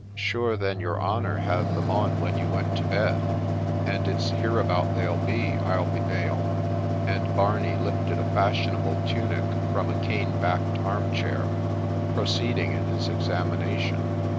' Sure then your honour had them on when you went to bed, and it's hereabout they'll be, I'll be bail ;' and Barney lifted a fashionable tunic from a cane backed arm chair, proceeding in his examination.